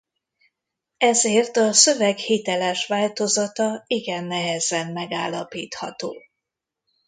Ezért a szöveg hiteles változata igen nehezen megállapítható.